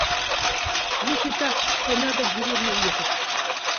Если так, то надо в деревню уехать.